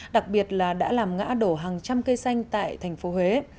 đặc biệt là đã làm ngã đổ hàng trăm cây xanh tại thành phố huế